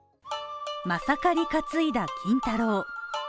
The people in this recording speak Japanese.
まさかり担いだ金太郎